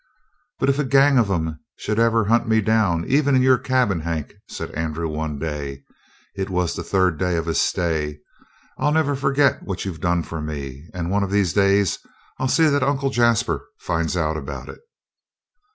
"But if a gang of 'em should ever hunt me down, even in your cabin, Hank," said Andrew one day it was the third day of his stay "I'll never forget what you've done for me, and one of these days I'll see that Uncle Jasper finds out about it."